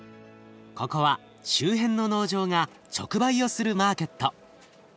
ここは周辺の農場が直売をするマーケット。